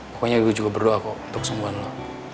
pokoknya gue juga berdoa kok untuk kesembuhan lo